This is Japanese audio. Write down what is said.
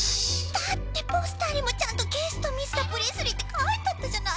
だってポスターにもちゃんと「ゲストミスタープレスリー」ってかいてあったじゃないの。